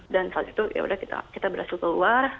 dan saat itu yaudah kita berhasil keluar